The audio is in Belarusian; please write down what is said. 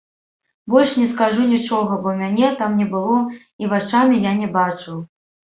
Больш не скажу нічога, бо мяне там не было і вачамі я не бачыў!